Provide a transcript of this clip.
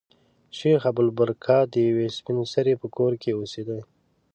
شیخ ابوالبرکات د یوې سپین سري په کور کې اوسېدی.